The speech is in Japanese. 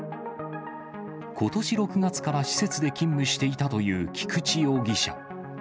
ことし６月から施設で勤務していたという菊池容疑者。